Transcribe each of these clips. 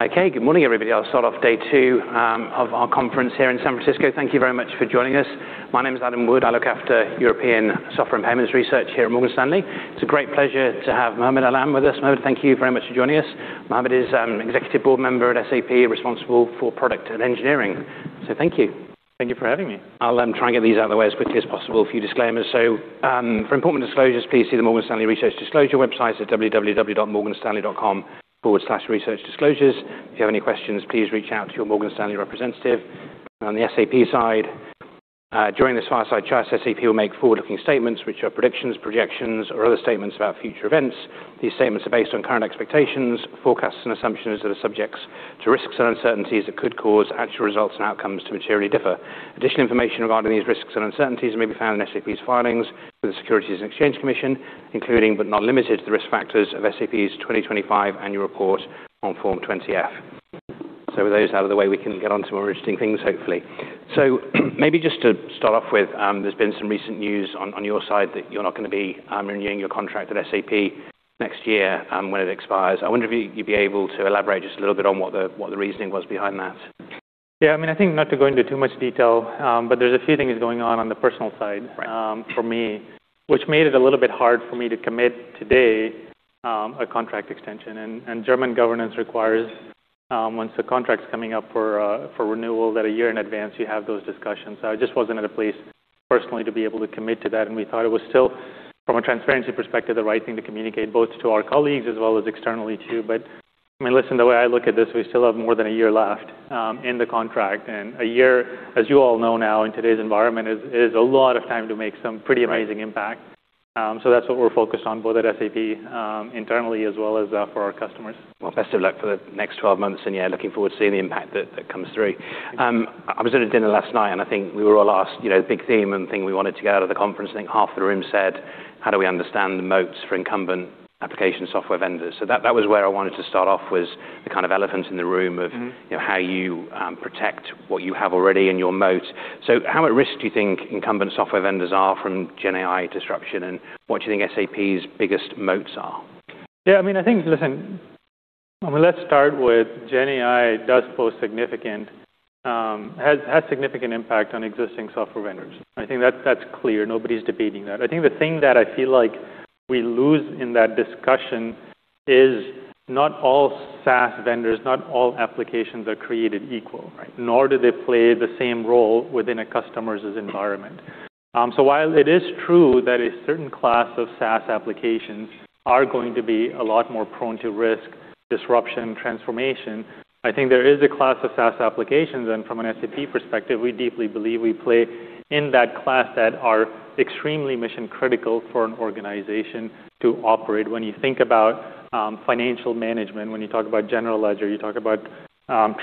Okay. Good morning, everybody. I'll start off day two of our conference here in San Francisco. Thank you very much for joining us. My name is Adam Wood. I look after European software and payments research here at Morgan Stanley. It's a great pleasure to have Muhammad Alam with us. Muhammad, thank you very much for joining us. Muhammad is executive board member at SAP, responsible for product and engineering. Thank you. Thank you for having me. I'll try and get these out of the way as quickly as possible. A few disclaimers. For important disclosures, please see the Morgan Stanley Research Disclosure website at www.morganstanley.com/researchdisclosures. If you have any questions, please reach out to your Morgan Stanley representative. On the SAP side, during this fireside chat, SAP will make forward-looking statements, which are predictions, projections, or other statements about future events. These statements are based on current expectations, forecasts, and assumptions that are subjects to risks and uncertainties that could cause actual results and outcomes to materially differ. Additional information regarding these risks and uncertainties may be found in SAP's filings with the Securities and Exchange Commission, including but not limited to the risk factors of SAP's 2025 annual report on Form 20-F. With those out of the way, we can get on to more interesting things, hopefully. Maybe just to start off with, there's been some recent news on your side that you're not gonna be renewing your contract at SAP next year when it expires. I wonder if you'd be able to elaborate just a little bit on what the reasoning was behind that. Yeah, I mean, I think not to go into too much detail, but there's a few things going on on the personal side. Right For me, which made it a little bit hard for me to commit today, a contract extension. German governance requires, once the contract's coming up for renewal that one year in advance you have those discussions. I just wasn't at a place personally to be able to commit to that, and we thought it was still, from a transparency perspective, the right thing to communicate both to our colleagues as well as externally, too. I mean, listen, the way I look at this, we still have more than one year left in the contract. One year, as you all know now in today's environment, is a lot of time to make some pretty amazing impact. That's what we're focused on both at SAP internally as well as for our customers. Well, best of luck for the next 12 months. Yeah, looking forward to seeing the impact that comes through. I was at a dinner last night, I think we were all asked, you know, the big theme and thing we wanted to get out of the conference. I think half the room said, "How do we understand the moats for incumbent application software vendors?" That was where I wanted to start off, was the kind of elephant in the room. Mm-hmm you know, how you protect what you have already in your moat. How at risk do you think incumbent software vendors are from GenAI disruption, and what do you think SAP's biggest moats are? I mean, I think, listen. I mean, let's start with GenAI does pose significant has significant impact on existing software vendors. I think that's clear. Nobody's debating that. I think the thing that I feel like we lose in that discussion is not all SaaS vendors, not all applications are created equal. Right. Nor do they play the same role within a customer's environment. While it is true that a certain class of SaaS applications are going to be a lot more prone to risk, disruption, transformation, I think there is a class of SaaS applications, and from an SAP perspective, we deeply believe we play in that class that are extremely mission-critical for an organization to operate. When you think about financial management, when you talk about General Ledger, you talk about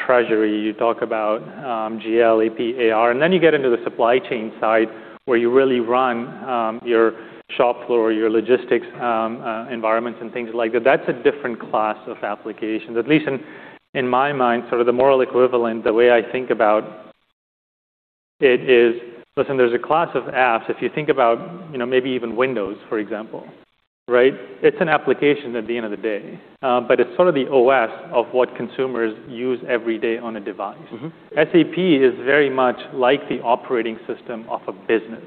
treasury, you talk about GL, AP, AR, and then you get into the supply chain side, where you really run your shop floor, your logistics environments and things like that. That's a different class of applications. At least in my mind, sort of the moral equivalent, the way I think about it is, listen, there's a class of apps. If you think about, you know, maybe even Windows, for example, right? It's an application at the end of the day, but it's sort of the OS of what consumers use every day on a device. Mm-hmm. SAP is very much like the operating system of a business.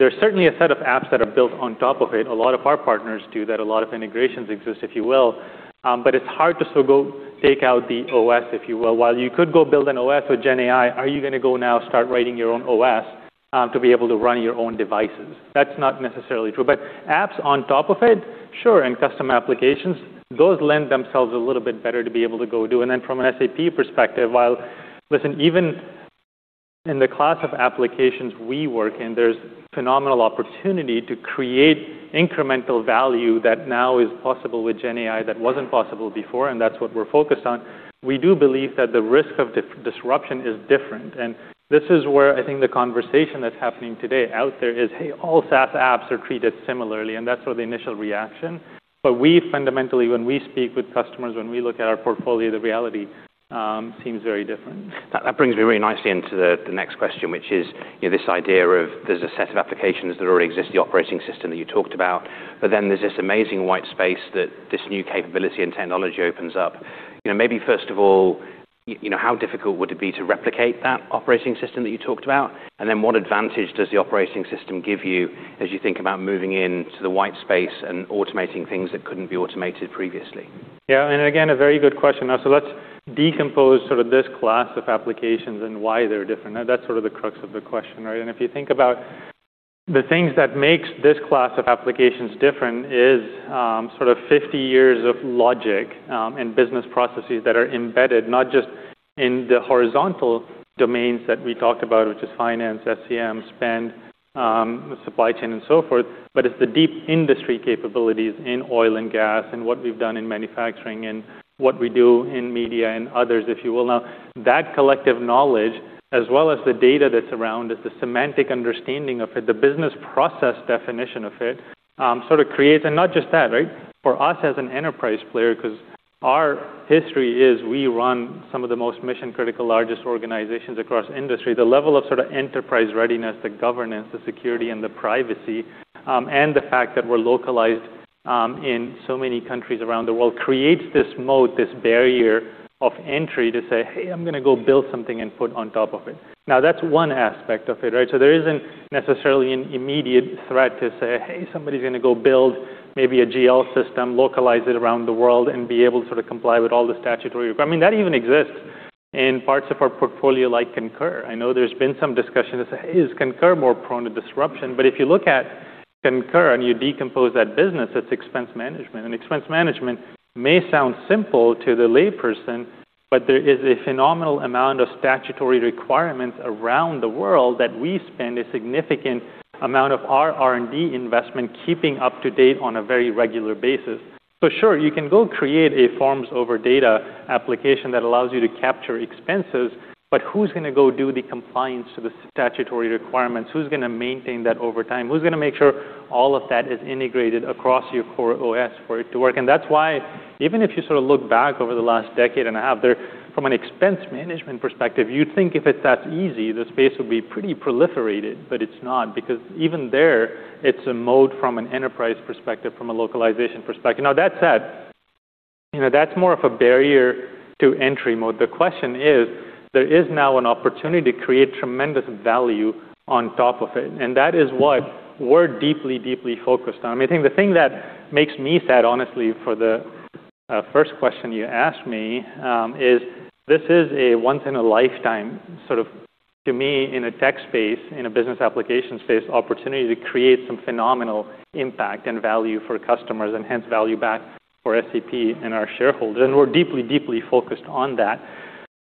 There's certainly a set of apps that are built on top of it. A lot of our partners do that. A lot of integrations exist, if you will. But it's hard to sort of go take out the OS, if you will. While you could go build an OS with GenAI, are you gonna go now start writing your own OS, to be able to run your own devices? That's not necessarily true. But apps on top of it, sure, and custom applications, those lend themselves a little bit better to be able to go do. From an SAP perspective, while, listen, even in the class of applications we work in, there's phenomenal opportunity to create incremental value that now is possible with GenAI that wasn't possible before, and that's what we're focused on. We do believe that the risk of disruption is different. This is where I think the conversation that's happening today out there is, hey, all SaaS apps are treated similarly. That's sort of the initial reaction. We fundamentally, when we speak with customers, when we look at our portfolio, the reality seems very different. That brings me very nicely into the next question, which is, you know, this idea of there's a set of applications that already exist, the operating system that you talked about, but then there's this amazing white space that this new capability and technology opens up. You know, maybe first of all, you know, how difficult would it be to replicate that operating system that you talked about? Then what advantage does the operating system give you as you think about moving into the white space and automating things that couldn't be automated previously? Again, a very good question. Let's decompose sort of this class of applications and why they're different. That's sort of the crux of the question, right? If you think about the things that makes this class of applications different is, sort of 50 years of logic, and business processes that are embedded not just in the horizontal domains that we talked about, which is finance, SCM, spend, supply chain and so forth, but it's the deep industry capabilities in oil and gas and what we've done in manufacturing and what we do in media and others, if you will. That collective knowledge, as well as the data that's around it, the semantic understanding of it, the business process definition of it, sort of creates... Not just that, right? For us as an enterprise player, 'cause our history is we run some of the most mission-critical, largest organizations across industry. The level of sort of enterprise readiness, the governance, the security and the privacy, and the fact that we're localized in so many countries around the world creates this moat, this barrier of entry to say, "Hey, I'm gonna go build something and put on top of it." That's one aspect of it, right? There isn't necessarily an immediate threat to say, "Hey, somebody's gonna go build maybe a GL system, localize it around the world, and be able to sort of comply with all the statutory requirements." I mean, that even exists in parts of our portfolio like Concur. I know there's been some discussion as to, is Concur more prone to disruption? If you look at Concur and you decompose that business, it's expense management. Expense management may sound simple to the layperson, but there is a phenomenal amount of statutory requirements around the world that we spend a significant amount of our R&D investment keeping up to date on a very regular basis. Sure, you can go create a forms over data application that allows you to capture expenses, but who's gonna go do the compliance to the statutory requirements? Who's gonna maintain that over time? Who's gonna make sure all of that is integrated across your core OS for it to work? That's why even if you sort of look back over the last decade and a half, from an expense management perspective, you'd think if it's that easy, the space would be pretty proliferated, but it's not. Even there, it's a mode from an enterprise perspective, from a localization perspective. That said, you know, that's more of a barrier to entry mode. The question is, there is now an opportunity to create tremendous value on top of it, and that is what we're deeply focused on. I think the thing that makes me sad, honestly, for the first question you asked me, is this is a once in a lifetime sort of, to me, in a tech space, in a business application space, opportunity to create some phenomenal impact and value for customers and hence value back for SAP and our shareholders. We're deeply focused on that.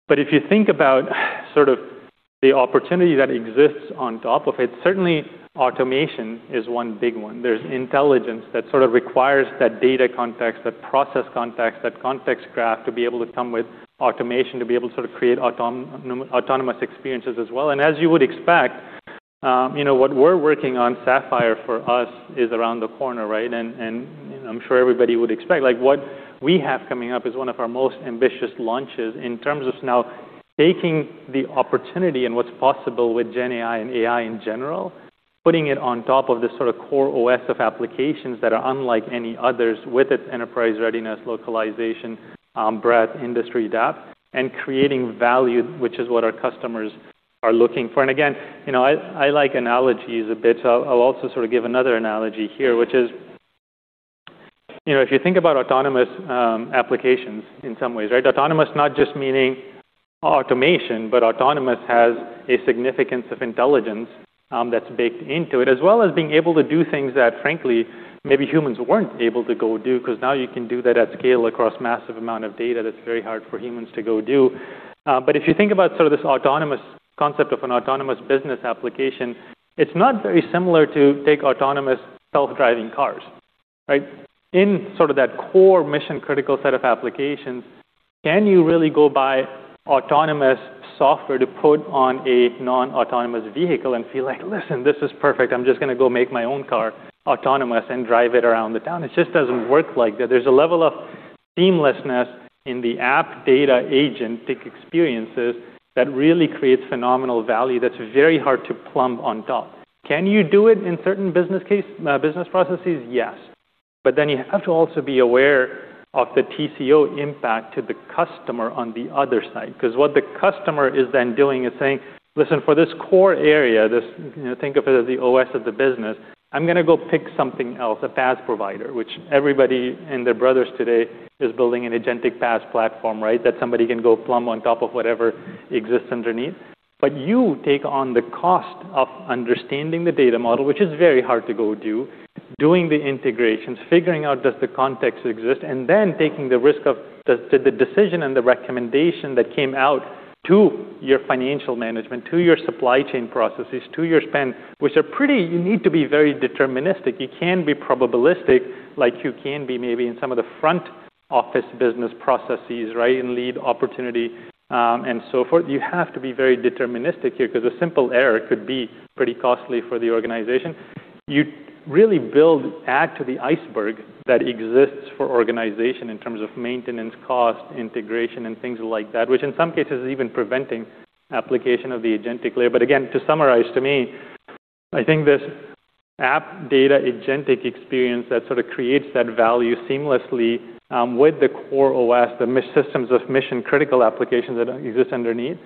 If you think about sort of the opportunity that exists on top of it, certainly automation is one big one. There's intelligence that sort of requires that data context, that process context, that context graph to be able to come with automation, to be able to sort of create autonomous experiences as well. As you would expect, you know, what we're working on, Sapphire for us is around the corner, right? I'm sure everybody would expect. Like, what we have coming up is one of our most ambitious launches in terms of now taking the opportunity and what's possible with GenAI and AI in general, putting it on top of this sort of core OS of applications that are unlike any others with its enterprise readiness, localization, breadth, industry depth, and creating value, which is what our customers are looking for. Again, you know, I like analogies a bit, so I'll also sort of give another analogy here, which is, you know, if you think about autonomous applications in some ways, right? Autonomous not just meaning automation, but autonomous has a significance of intelligence that's baked into it, as well as being able to do things that frankly, maybe humans weren't able to go do, because now you can do that at scale across massive amount of data that's very hard for humans to go do. If you think about sort of this autonomous concept of an autonomous business application, it's not very similar to take autonomous self-driving cars, right? In sort of that core mission-critical set of applications, can you really go buy autonomous software to put on a non-autonomous vehicle and feel like, "Listen, this is perfect. I'm just gonna go make my own car autonomous and drive it around the town." It just doesn't work like that. There's a level of seamlessness in the app data agentic experiences that really creates phenomenal value that's very hard to plumb on top. Can you do it in certain business processes? Yes. You have to also be aware of the TCO impact to the customer on the other side. Because what the customer is then doing is saying, "Listen, for this core area, this, you know, think of it as the OS of the business, I'm gonna go pick something else, a PaaS provider," which everybody and their brothers today is building an agentic PaaS platform, right? That somebody can go plumb on top of whatever exists underneath. You take on the cost of understanding the data model, which is very hard to go do, doing the integrations, figuring out does the context exist, and then taking the risk of the decision and the recommendation that came out to your financial management, to your supply chain processes, to your spend, which are pretty. You need to be very deterministic. You can be probabilistic like you can be maybe in some of the front office business processes, right? In lead opportunity, and so forth. You have to be very deterministic here because a simple error could be pretty costly for the organization. You really build, add to the iceberg that exists for organization in terms of maintenance costs, integration, and things like that, which in some cases is even preventing application of the agentic layer. Again, to summarize, to me, I think this app data agentic experience that sort of creates that value seamlessly with the core OS, the systems of mission-critical applications that exist underneath,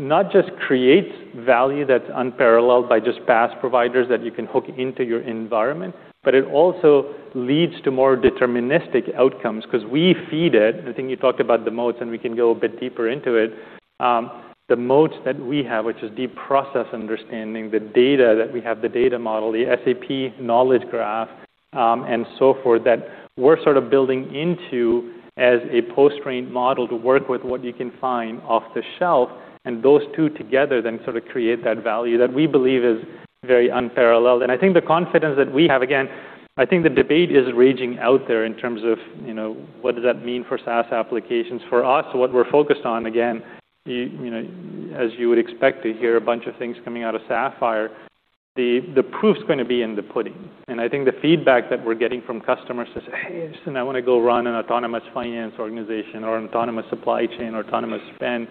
not just creates value that's unparalleled by just PaaS providers that you can hook into your environment, but it also leads to more deterministic outcomes 'cause we feed it. The thing you talked about the modes, and we can go a bit deeper into it. The modes that we have, which is deep process understanding, the data that we have, the data model, the SAP Knowledge Graph and so forth, that we're sort of building into as a post-trained model to work with what you can find off the shelf. Those two together then sort of create that value that we believe is very unparalleled. I think the confidence that we have, again, I think the debate is raging out there in terms of, you know, what does that mean for SaaS applications. For us, what we're focused on, again, you know, as you would expect to hear a bunch of things coming out of SAP Sapphire, the proof's gonna be in the pudding. I think the feedback that we're getting from customers is, "Hey, listen, I wanna go run an autonomous finance organization or an autonomous supply chain or autonomous spend."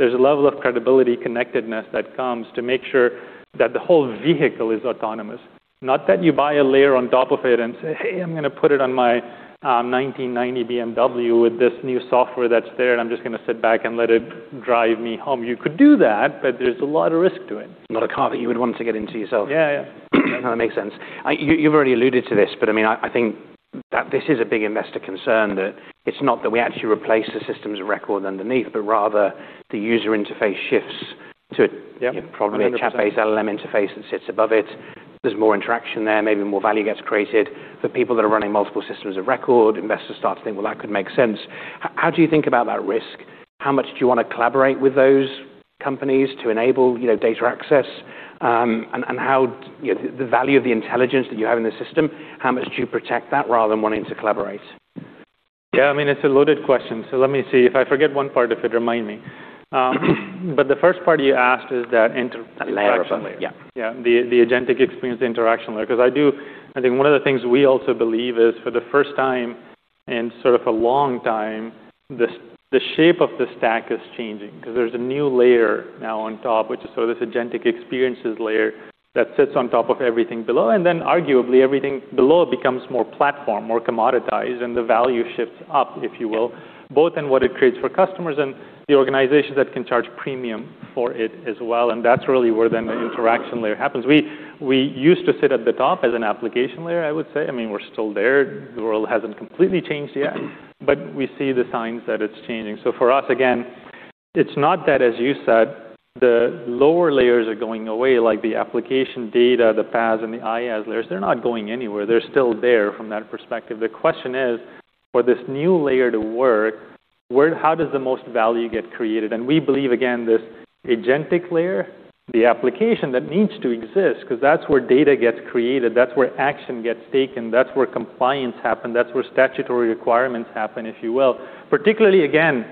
There's a level of credibility connectedness that comes to make sure that the whole vehicle is autonomous. Not that you buy a layer on top of it and say, "Hey, I'm gonna put it on my 1990 BMW with this new software that's there and I'm just gonna sit back and let it drive me home." You could do that, but there's a lot of risk to it. Not a car that you would want to get into yourself. Yeah, yeah. No, that makes sense. You've already alluded to this, but I mean, I think that this is a big investor concern, that it's not that we actually replace the systems of record underneath, but rather the user interface shifts to probably a chat-based LLM interface that sits above it. There's more interaction there, maybe more value gets created. The people that are running multiple systems of record, investors start to think, "Well, that could make sense." How do you think about that risk? How much do you wanna collaborate with those companies to enable, you know, data access? And how, you know, the value of the intelligence that you have in the system, how much do you protect that rather than wanting to collaborate? Yeah, I mean, it's a loaded question, so let me see. If I forget one part of it, remind me. The first part you asked is that. That layer above, yeah. Yeah. The, the agentic experience, the interaction layer. Because I do. I think one of the things we also believe is for the first time in sort of a long time, the shape of the stack is changing because there's a new layer now on top, which is sort of this agentic experiences layer that sits on top of everything below. Then arguably, everything below it becomes more platform, more commoditized, and the value shifts up, if you will, both in what it creates for customers and the organizations that can charge premium for it as well, and that's really where then the interaction layer happens. We, we used to sit at the top as an application layer, I would say. I mean, we're still there. The world hasn't completely changed yet, but we see the signs that it's changing. For us, again, it's not that, as you said, the lower layers are going away, like the application data, the PaaS and the IaaS layers. They're not going anywhere. They're still there from that perspective. The question is, for this new layer to work, how does the most value get created? We believe, again, this agentic layer, the application that needs to exist, 'cause that's where data gets created, that's where action gets taken, that's where compliance happen, that's where statutory requirements happen, if you will. Particularly, again,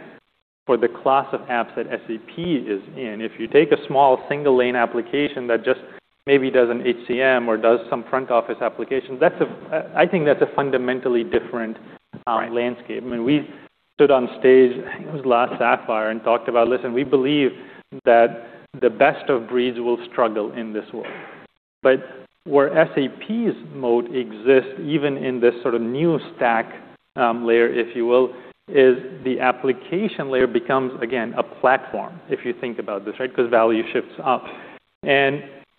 for the class of apps that SAP is in. If you take a small single-lane application that just maybe does an HCM or does some front office application, I think that's a fundamentally different. Right... landscape. I mean, we stood on stage, I think it was last SAP Sapphire, and talked about, listen, we believe that the best of breeds will struggle in this world. Where SAP's mode exists, even in this sort of new stack, layer, if you will, is the application layer becomes, again, a platform, if you think about this, right? 'Cause value shifts up.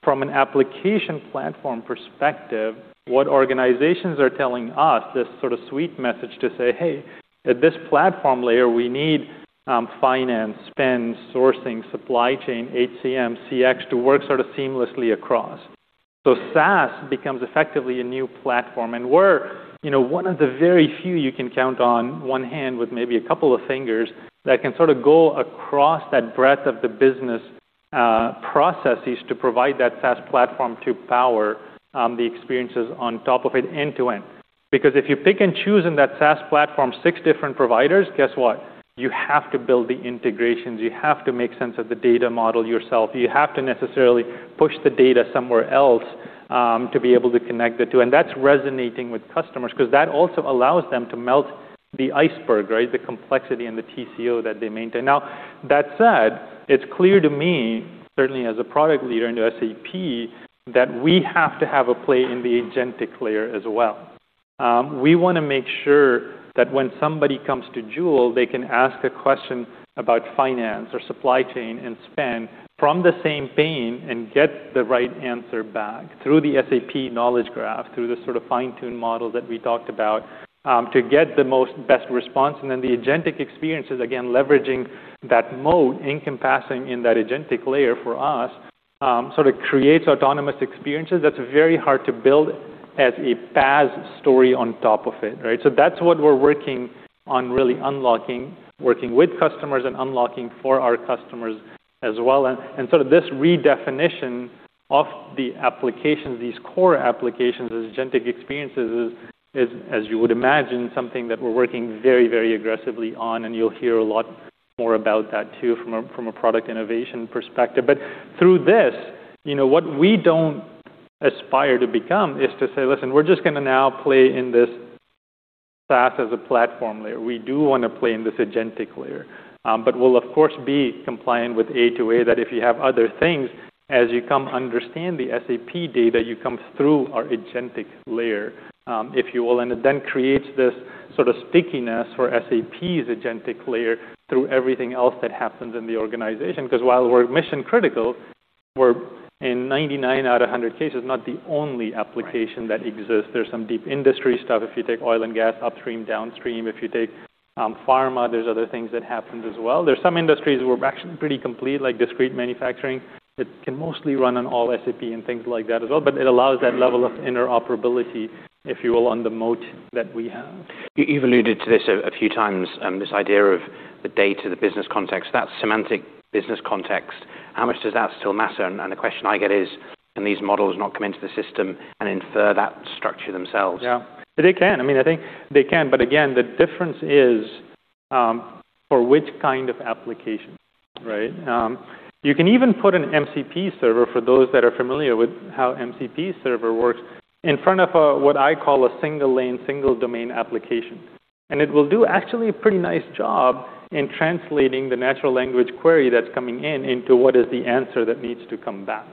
From an application platform perspective, what organizations are telling us, this sort of sweet message to say, "Hey, at this platform layer, we need finance, spend, sourcing, supply chain, HCM, CX to work sort of seamlessly across." SaaS becomes effectively a new platform. We're, you know, one of the very few you can count on one hand with maybe a couple of fingers that can sort of go across that breadth of the business processes to provide that SaaS platform to power the experiences on top of it end-to-end. If you pick and choose in that SaaS platform six different providers, guess what? You have to build the integrations. You have to make sense of the data model yourself. You have to necessarily push the data somewhere else to be able to connect the two. That's resonating with customers 'cause that also allows them to melt the iceberg, right? The complexity and the TCO that they maintain. That said, it's clear to me, certainly as a product leader into SAP, that we have to have a play in the agentic layer as well. We wanna make sure that when somebody comes to Joule, they can ask a question about finance or supply chain and spend from the same pane and get the right answer back through the SAP Knowledge Graph, through the sort of fine-tuned model that we talked about, to get the most best response. Then the agentic experiences, again, leveraging that mode, encompassing in that agentic layer for us, sort of creates autonomous experiences that's very hard to build as a PaaS story on top of it, right? So that's what we're working on really unlocking, working with customers and unlocking for our customers as well. Sort of this redefinition of the applications, these core applications as agentic experiences is as you would imagine, something that we're working very aggressively on, and you'll hear a lot more about that too from a product innovation perspective. Through this, you know, what we don't aspire to become is to say, "Listen, we're just gonna now play in this SaaS as a platform layer." We do wanna play in this agentic layer. But we'll of course be compliant with A2A that if you have other things, as you come understand the SAP data, you come through our agentic layer, if you will. It then creates this sort of stickiness for SAP's agentic layer through everything else that happens in the organization. While we're mission critical, we're in 99 out of 100 cases, not the only application that exists. There's some deep industry stuff. If you take oil and gas, upstream, downstream. If you take pharma, there's other things that happens as well. There's some industries we're actually pretty complete, like discrete manufacturing, that can mostly run on all SAP and things like that as well. It allows that level of interoperability, if you will, on the moat that we have. You've alluded to this a few times, this idea of the data, the business context. That semantic business context, how much does that still matter? The question I get is, can these models not come into the system and infer that structure themselves? Yeah. They can. I mean, I think they can. Again, the difference is, for which kind of application, right? You can even put an MCP server, for those that are familiar with how MCP server works, in front of a, what I call a single-lane, single-domain application. It will do actually a pretty nice job in translating the natural language query that's coming in into what is the answer that needs to come back.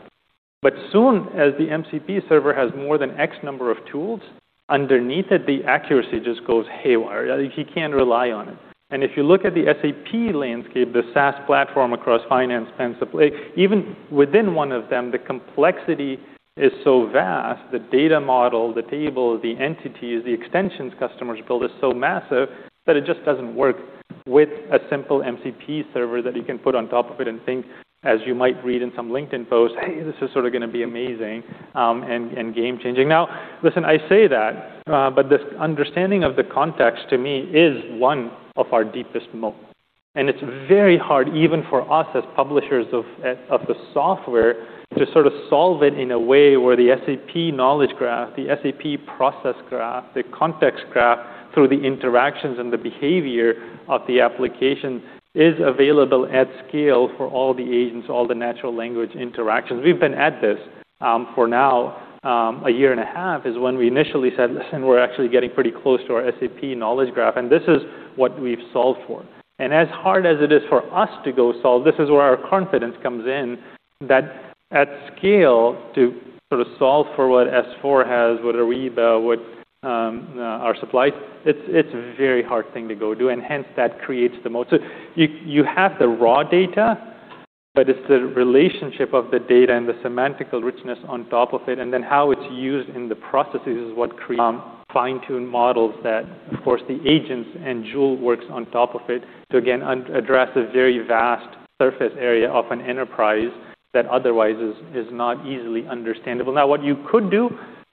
Soon as the MCP server has more than X number of tools underneath it, the accuracy just goes haywire. You can't rely on it. If you look at the SAP landscape, the SaaS platform across finance and supply, even within one of them, the complexity is so vast, the data model, the table, the entities, the extensions customers build is so massive that it just doesn't work with a simple MCP server that you can put on top of it and think, as you might read in some LinkedIn posts, "Hey, this is sort of going to be amazing, and game-changing." Listen, I say that, but this understanding of the context to me is one of our deepest moat. It's very hard even for us as publishers of the software to sort of solve it in a way where the SAP Knowledge Graph, the SAP Process Graph, the context graph through the interactions and the behavior of the application is available at scale for all the agents, all the natural language interactions. We've been at this for now a year and a half is when we initially said, "Listen, we're actually getting pretty close to our SAP Knowledge Graph," and this is what we've solved for. As hard as it is for us to go solve, this is where our confidence comes in, that at scale to sort of solve for what S/4HANA has, what Ariba, what our supply, it's a very hard thing to go do, and hence that creates the moat. You have the raw data, but it's the relationship of the data and the semantical richness on top of it, and then how it's used in the processes is what create fine-tuned models that, of course, the agents and Joule works on top of it to, again, address a very vast surface area of an enterprise that otherwise is not easily understandable. What you could do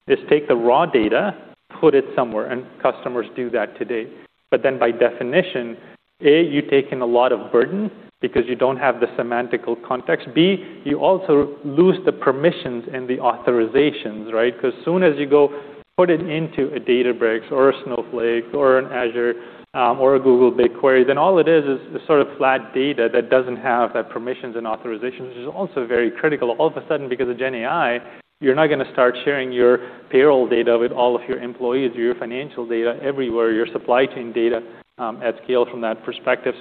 is take the raw data, put it somewhere, and customers do that today. By definition, A, you take in a lot of burden because you don't have the semantical context. B, you also lose the permissions and the authorizations, right? Because soon as you go put it into a Databricks or a Snowflake or an Azure, or a Google BigQuery, then all it is is sort of flat data that doesn't have that permissions and authorizations, which is also very critical. All of a sudden, because of GenAI, you're not gonna start sharing your payroll data with all of your employees or your financial data everywhere, your supply chain data, at scale from that perspective.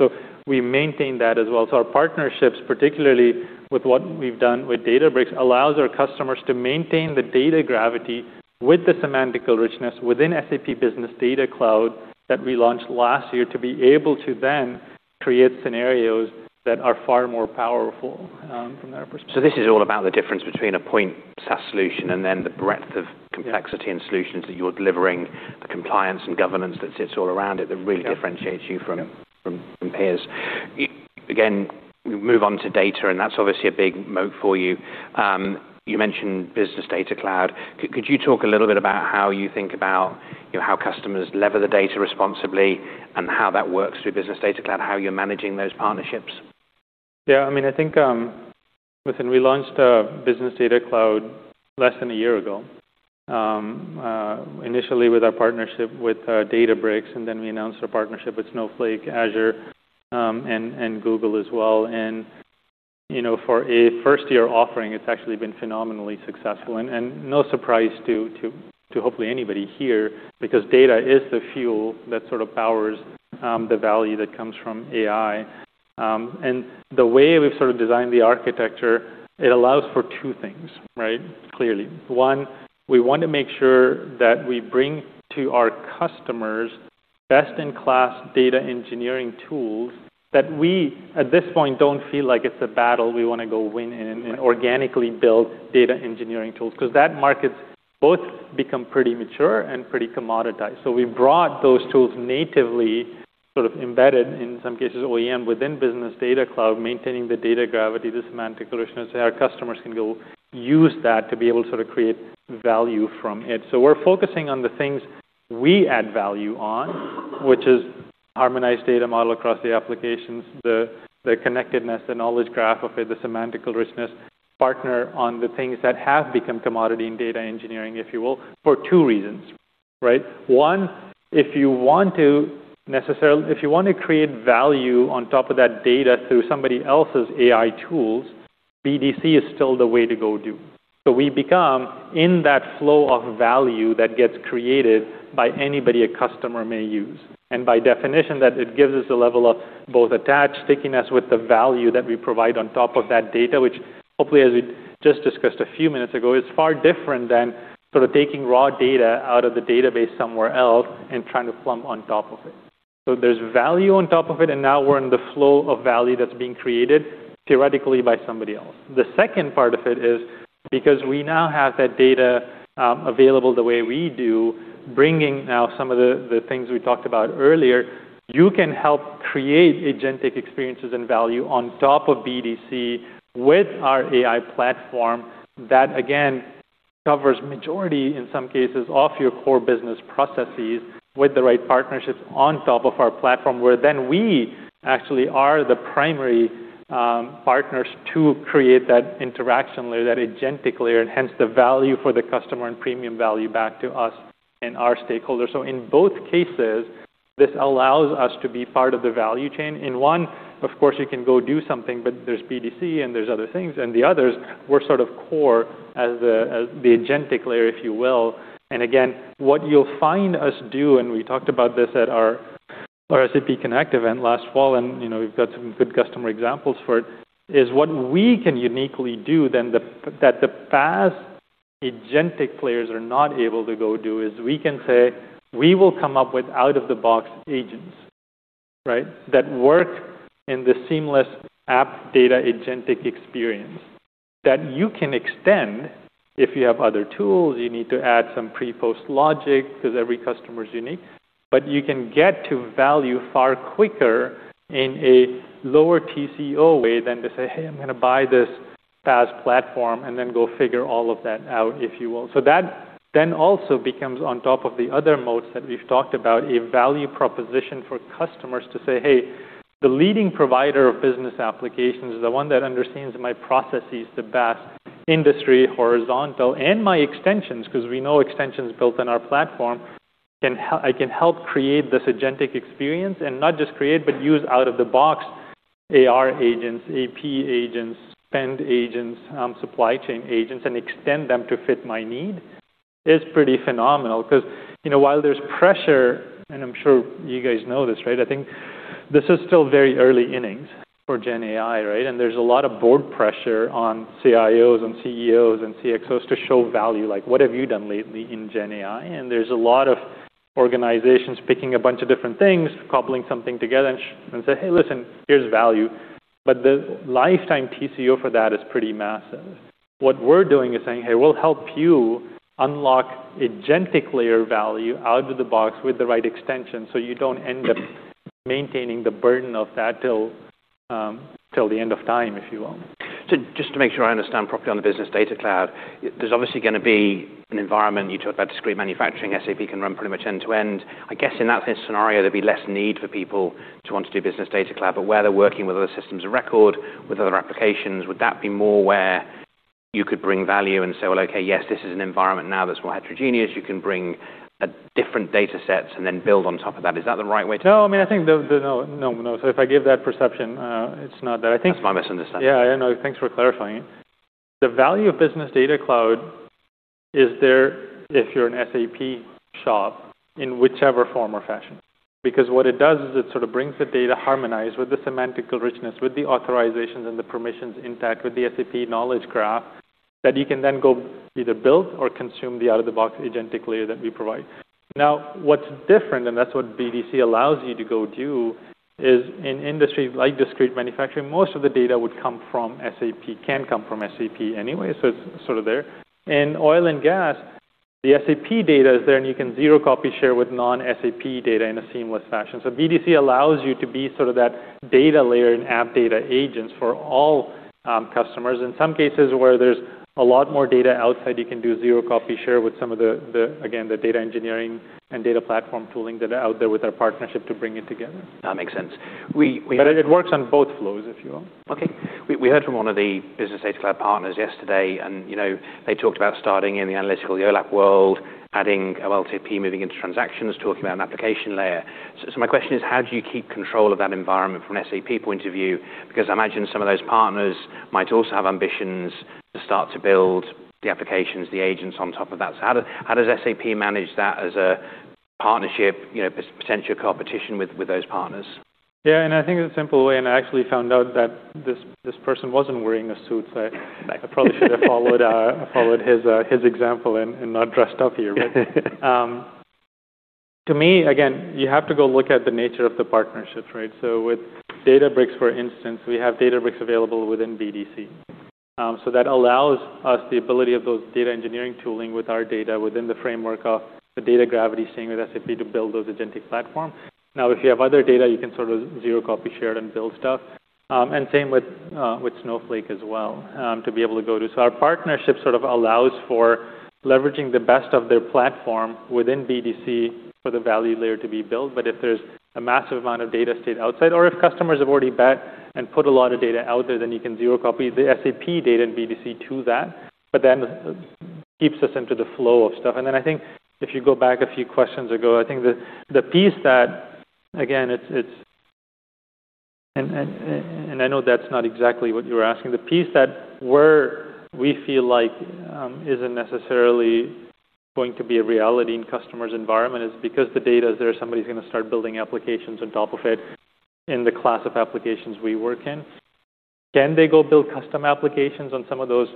We maintain that as well. Our partnerships, particularly with what we've done with Databricks, allows our customers to maintain the data gravity with the semantical richness within SAP Business Data Cloud that we launched last year to be able to then create scenarios that are far more powerful, from their perspective. This is all about the difference between a point SaaS solution and then the breadth of complexity and solutions that you're delivering, the compliance and governance that sits all around it that really differentiates you from peers. Again, move on to data, and that's obviously a big moat for you. You mentioned Business Data Cloud. Could you talk a little bit about how you think about, you know, how customers lever the data responsibly and how that works through Business Data Cloud, how you're managing those partnerships? Yeah. I mean, I think, listen, we launched Business Data Cloud less than a year ago, initially with our partnership with Databricks, then we announced our partnership with Snowflake, Azure, and Google as well. You know, for a first-year offering, it's actually been phenomenally successful and no surprise to hopefully anybody here because data is the fuel that sort of powers the value that comes from AI. The way we've sort of designed the architecture, it allows for two things, right? Clearly. One, we want to make sure that we bring to our customers best-in-class data engineering tools that we at this point don't feel like it's a battle we wanna go win in and organically build data engineering tools because that market's both become pretty mature and pretty commoditized. We brought those tools natively sort of embedded, in some cases OEM, within Business Data Cloud, maintaining the data gravity, the semantic richness, so our customers can go use that to be able to sort of create value from it. We're focusing on the things we add value on, which is harmonized data model across the applications, the connectedness, the Knowledge Graph of it, the semantical richness, partner on the things that have become commodity in data engineering, if you will, for two reasons, right? One, if you want to create value on top of that data through somebody else's AI tools, BDC is still the way to go do. We become in that flow of value that gets created by anybody a customer may use, and by definition that it gives us a level of both attach, stickiness with the value that we provide on top of that data, which hopefully, as we just discussed a few minutes ago, is far different than sort of taking raw data out of the database somewhere else and trying to plumb on top of it. There's value on top of it, and now we're in the flow of value that's being created theoretically by somebody else. The second part of it is because we now have that data, available the way we do, bringing now some of the things we talked about earlier, you can help create agentic experiences and value on top of BDC with our AI platform that again covers majority, in some cases, of your core business processes with the right partnerships on top of our platform, where then we actually are the primary, partners to create that interaction layer, that agentic layer, and hence the value for the customer and premium value back to us and our stakeholders. In both cases, this allows us to be part of the value chain. In one, of course, you can go do something, but there's BDC and there's other things, and the others, we're sort of core as the, as the agentic layer, if you will. Again, what you'll find us do, and we talked about this at our SAP Connect event last fall, you know, we've got some good customer examples for it, is what we can uniquely do than the past agentic players are not able to go do is we can say, we will come up with out-of-the-box agents, right? That work in the seamless app data agentic experience that you can extend if you have other tools, you need to add some pre-post logic because every customer is unique. You can get to value far quicker in a lower TCO way than to say, "Hey, I'm gonna buy this PaaS platform," and then go figure all of that out, if you will. That also becomes on top of the other modes that we've talked about, a value proposition for customers to say, "Hey, the leading provider of business applications is the one that understands my processes the best, industry, horizontal, and my extensions," because we know extensions built on our platform I can help create this agentic experience and not just create, but use out-of-the-box AR agents, AP agents, spend agents, supply chain agents, and extend them to fit my need is pretty phenomenal. You know, while there's pressure, and I'm sure you guys know this, right? I think this is still very early innings for GenAI, right? There's a lot of board pressure on CIOs and CEOs and CXOs to show value, like, what have you done lately in GenAI? There's a lot of organizations picking a bunch of different things, cobbling something together and say, "Hey, listen, here's value." The lifetime TCO for that is pretty massive. What we're doing is saying, "Hey, we'll help you unlock agentic layer value out of the box with the right extension, so you don't end up maintaining the burden of that till the end of time," if you will. Just to make sure I understand properly on the Business Data Cloud, there's obviously gonna be an environment. You talked about discrete manufacturing, SAP can run pretty much end-to-end. I guess in that case scenario, there'd be less need for people to want to do Business Data Cloud. Where they're working with other systems of record, with other applications, would that be more where you could bring value and say, "Well, okay, yes, this is an environment now that's more heterogeneous. You can bring different data sets and then build on top of that." Is that the right way? No, I mean, I think no, no. If I give that perception, it's not that. That's my misunderstanding. Yeah, I know. Thanks for clarifying it. The value of Business Data Cloud is there if you're an SAP shop in whichever form or fashion. What it does is it sort of brings the data harmonized with the semantical richness, with the authorizations and the permissions intact with the SAP Knowledge Graph that you can then go either build or consume the out-of-the-box agentic layer that we provide. What's different, and that's what BDC allows you to go do, is in industry like discrete manufacturing, most of the data would come from SAP, can come from SAP anyway, so it's sort of there. In oil and gas, the SAP data is there, and you can zero-copy sharing with non-SAP data in a seamless fashion. BDC allows you to be sort of that data layer and app data agents for all customers. In some cases where there's a lot more data outside, you can do zero-copy sharing with some of the, again, the data engineering and data platform tooling that are out there with our partnership to bring it together. That makes sense. We It works on both flows, if you will. Okay. We heard from one of the Business Data Cloud partners yesterday. You know, they talked about starting in the analytical OLAP world, adding OLTP, moving into transactions, talking about an application layer. My question is, how do you keep control of that environment from an SAP point of view? Because I imagine some of those partners might also have ambitions to start to build the applications, the agents on top of that. How does SAP manage that as a partnership, you know, potential competition with those partners? Yeah, I think in a simple way, I actually found out that this person wasn't wearing a suit, so I probably should have followed his example and not dressed up here. To me, again, you have to go look at the nature of the partnerships, right? With Databricks, for instance, we have Databricks available within BDC. That allows us the ability of those data engineering tooling with our data within the framework of the data gravity staying with SAP to build those agentic platform. Now, if you have other data, you can sort of zero-copy share it and build stuff. Same with Snowflake as well, to be able to go to. Our partnership sort of allows for leveraging the best of their platform within BDC for the value layer to be built. If there's a massive amount of data stayed outside or if customers have already bet and put a lot of data out there, then you can zero-copy the SAP data in BDC to that, but then keeps us into the flow of stuff. Then I think if you go back a few questions ago, I think the piece that again, it's and I know that's not exactly what you were asking. The piece that where we feel like isn't necessarily going to be a reality in customers' environment is because the data is there, somebody's gonna start building applications on top of it in the class of applications we work in. Can they go build custom applications on some of those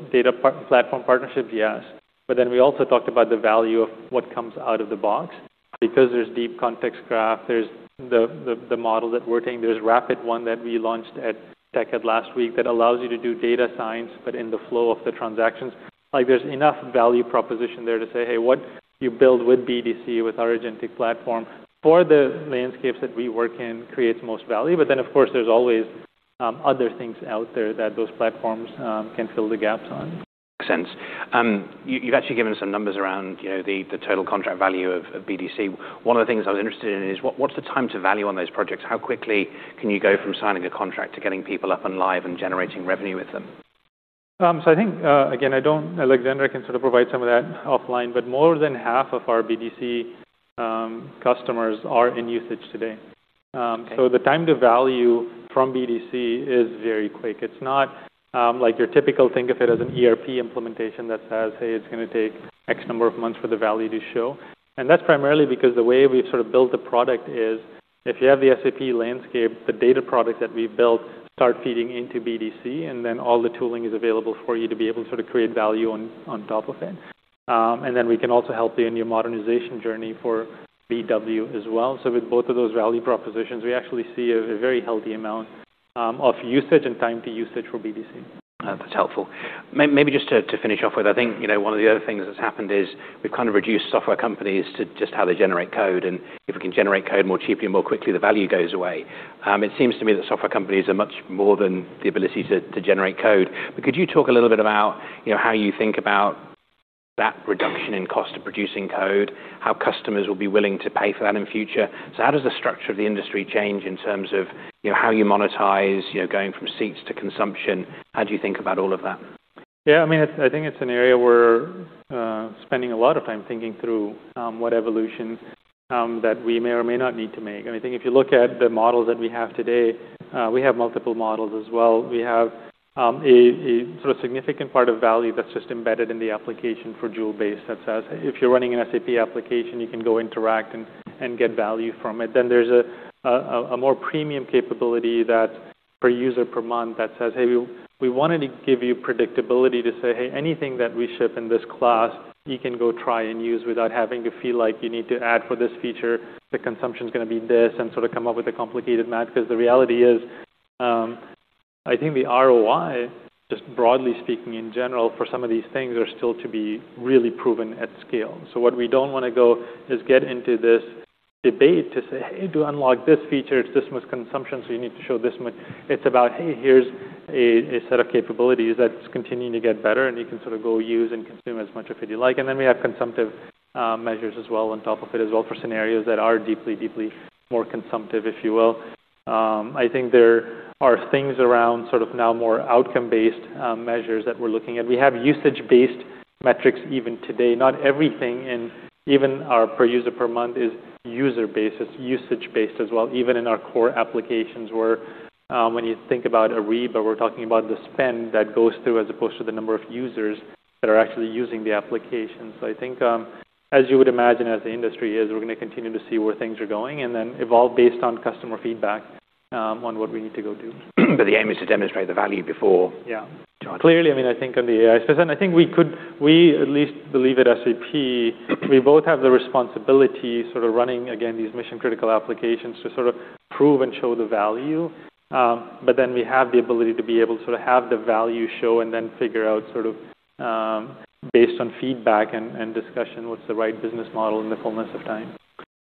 platform partnerships? Yes. We also talked about the value of what comes out of the box because there's deep context graph, there's the model that we're taking, there's SAP-RPT-1 that we launched at SAP TechEd last week that allows you to do data science, but in the flow of the transactions. Like, there's enough value proposition there to say, "Hey, what you build with BDC, with our agentic platform for the landscapes that we work in creates most value." Of course, there's always other things out there that those platforms can fill the gaps on. Makes sense. You've actually given us some numbers around, you know, the total contract value of BDC. One of the things I was interested in is what's the time to value on those projects? How quickly can you go from signing a contract to getting people up and live and generating revenue with them? I think, again, Alexander can sort of provide some of that offline, but more than half of our BDC customers are in usage today. The time to value from BDC is very quick. It's not, like your typical think of it as an ERP implementation that says, "Hey, it's gonna take X number of months for the value to show." That's primarily because the way we've sort of built the product is if you have the SAP landscape, the data product that we've built start feeding into BDC, and then all the tooling is available for you to be able to sort of create value on top of it. We can also help you in your modernization journey for BW as well. With both of those value propositions, we actually see a very healthy amount of usage and time to usage for BDC. That's helpful. Maybe just to finish off with, I think, you know, one of the other things that's happened is we've kind of reduced software companies to just how they generate code, and if we can generate code more cheaply and more quickly, the value goes away. It seems to me that software companies are much more than the ability to generate code. Could you talk a little bit about, you know, how you think about that reduction in cost of producing code, how customers will be willing to pay for that in future? How does the structure of the industry change in terms of, you know, how you monetize, you know, going from seats to consumption? How do you think about all of that? Yeah. I mean, I think it's an area we're spending a lot of time thinking through what evolution that we may or may not need to make. I think if you look at the models that we have today, we have multiple models as well. We have a sort of significant part of value that's just embedded in the application for Joule base that says if you're running an SAP application, you can go interact and get value from it. There's a more premium capability that per user per month that says, "Hey, we wanted to give you predictability to say, 'Hey, anything that we ship in this class, you can go try and use without having to feel like you need to add for this feature. The consumption's gonna be this," and sort of come up with a complicated math. The reality is, I think the ROI, just broadly speaking in general for some of these things, are still to be really proven at scale. What we don't wanna go is get into this debate to say, "Hey, to unlock this feature, it's this much consumption, so you need to show this much." It's about, "Hey, here's a set of capabilities that's continuing to get better, and you can sort of go use and consume as much of it you like." Then we have consumptive measures as well on top of it as well for scenarios that are deeply more consumptive, if you will. I think there are things around sort of now more outcome-based measures that we're looking at. We have usage-based metrics even today. Not everything. Even our per user per month is user-based. It's usage-based as well, even in our core applications where, when you think about Ariba, we're talking about the spend that goes through as opposed to the number of users that are actually using the application. I think, as you would imagine, as the industry is, we're gonna continue to see where things are going and then evolve based on customer feedback, on what we need to go do. The aim is to demonstrate the value. Yeah. -charge. Clearly, I mean, I think on the AI space, we at least believe at SAP, we both have the responsibility sort of running, again, these mission-critical applications to sort of prove and show the value. We have the ability to be able to sort of have the value show and then figure out sort of, based on feedback and discussion, what's the right business model in the fullness of time.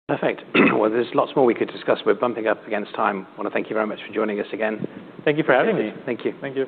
Perfect. Well, there's lots more we could discuss. We're bumping up against time. Wanna thank you very much for joining us again. Thank you for having me. Thank you. Thank you.